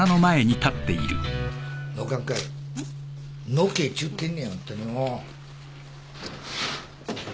のけぇちゅうてんのやホントにもう。